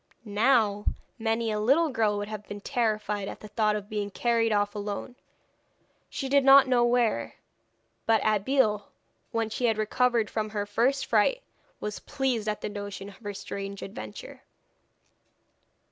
Now, many a little girl would have been terrified at the thought of being carried off alone, she did not know where. But Abeille, when she had recovered from her first fright, was pleased at the notion of her strange adventure.